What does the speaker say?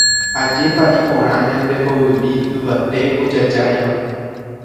Ajépa iporã ñande poyvi yvate ojajáiva.